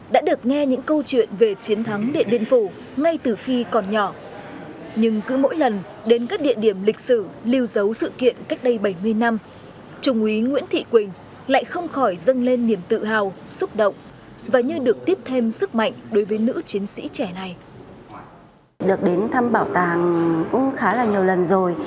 được đến thăm bảo tàng cũng khá là nhiều lần rồi